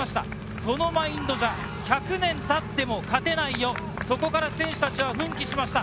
そのマインドじゃ、１００年経っても勝てないよ、そこから選手達は奮起しました。